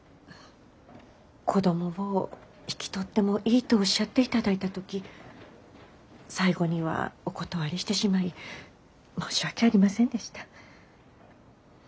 「子供を引き取ってもいい」とおっしゃっていただいた時最後にはお断りしてしまい申し訳ありませんでした。